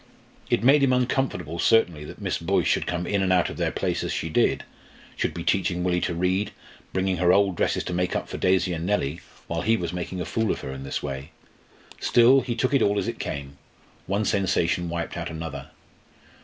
It made him uncomfortable, certainly, that Miss Boyce should come in and out of their place as she did, should be teaching Willie to read, and bringing her old dresses to make up for Daisy and Nellie, while he was making a fool of her in this way. Still he took it all as it came. One sensation wiped out another.